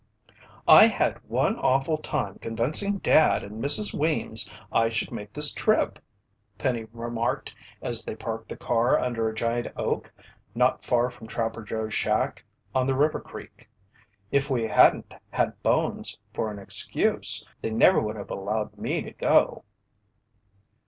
"I had one awful time convincing Dad and Mrs. Weems I should make this trip," Penny remarked as they parked the car under a giant oak not far from Trapper Joe's shack on the river creek. "If we hadn't had Bones for an excuse, they never would have allowed me to go."